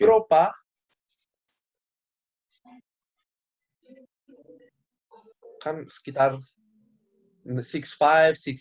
di europa kan sekitar enam lima enam empat enam enam gitu